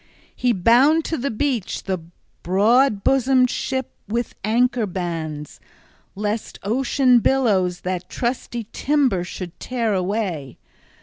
He bound to the beach the broad bosomed ship with anchor bands, lest ocean billows that trusty timber should tear away.